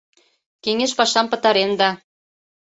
— Кеҥеж пашам пытаренда.